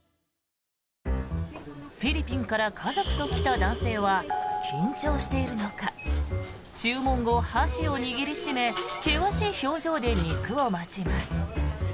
フィリピンから家族と来た男性は緊張しているのか注文後、箸を握り締め険しい表情で肉を待ちます。